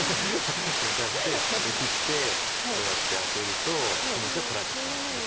これに対して切ってこうやってアテるとこの石が取られてしまうんです。